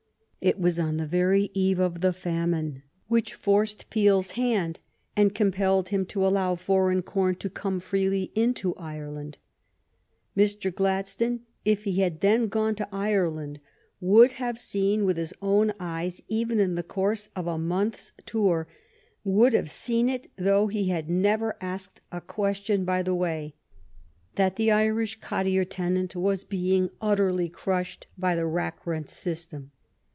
It was on the very eve of the famine which forced Peel's hand and compelled him to allow foreign corn to come freely into Ireland. Mr. Gladstone, if he had then gone to Ireland, would have seen with his own eyes, even in the course of a month s tour — would have seen it though he had never asked a question by the way — that the Irish cottier tenant was being utterly crushed by the rack rent system.